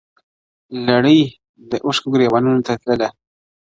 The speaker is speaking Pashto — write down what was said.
لړۍ د اوښکو ګريوانه ته تلله-